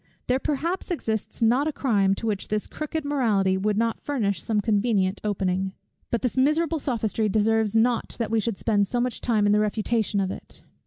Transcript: There perhaps exists not a crime, to which this crooked morality would not furnish some convenient opening. But this miserable sophistry deserves not that we should spend so much time in the refutation of it.